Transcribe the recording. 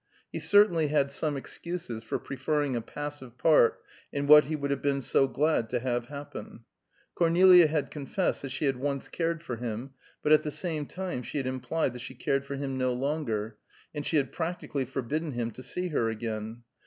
He certainly had some excuses for preferring a passive part in what he would have been so glad to have happen. Cornelia had confessed that she had once cared for him, but at the same time she had implied that she cared for him no longer, and she had practically forbidden him to see her again.